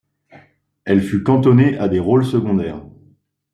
Elle fut cantonnée à des rôles secondaires.